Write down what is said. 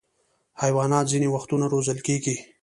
حیوانات ځینې وختونه روزل کېږي.